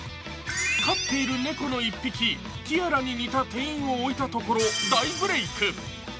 飼っている猫の１匹、ティアラに似た店員を置いたところ、大ブレーク。